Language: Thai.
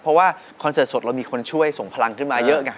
เพราะว่าคอนเสิร์ตสดเรามีคนช่วยส่งพลังขึ้นมาเยอะไง